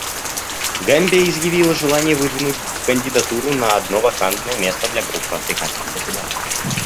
Гамбия изъявила желание выдвинуть кандидатуру на одно вакантное место для Группы африканских государств.